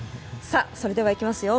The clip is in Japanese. それでは行きますよ